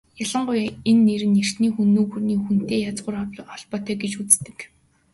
Ялангуяа энэ нэр нь эртний Хүннү гүрний "Хүн"-тэй язгуур холбоотой гэж үздэг.